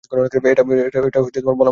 এটা বলা মুশকিল!